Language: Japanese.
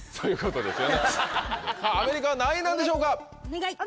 さぁアメリカは何位なんでしょうか？